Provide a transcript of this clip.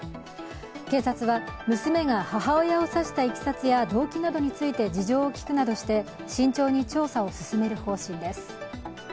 警察は、娘が母親を刺したいきさつや動機などについて事情を聴くなどして慎重に捜査を進める方針です。